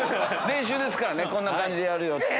練習ですからこんな感じでやるよ！って。